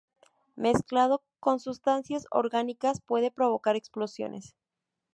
Mezclado con sustancias orgánicas puede provocar explosiones.